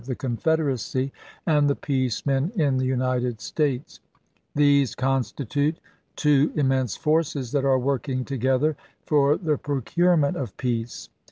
191. LINCOLN EEELECTED 353 the Confederacy and the peace men in the United chap. xvi. States. These constitute two immense forces that are working together for the procurement of peace.